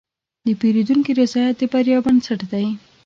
د پیرودونکي رضایت د بریا بنسټ دی.